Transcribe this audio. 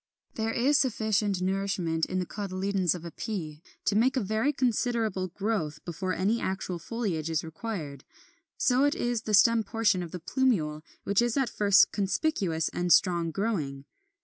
] 27. There is sufficient nourishment in the cotyledons of a pea to make a very considerable growth before any actual foliage is required. So it is the stem portion of the plumule which is at first conspicuous and strong growing.